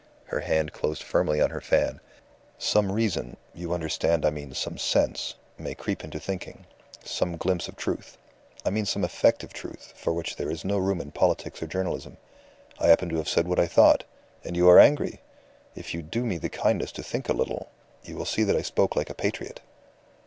Her hand closed firmly on her fan. "Some reason, you understand, I mean some sense, may creep into thinking; some glimpse of truth. I mean some effective truth, for which there is no room in politics or journalism. I happen to have said what I thought. And you are angry! If you do me the kindness to think a little you will see that I spoke like a patriot."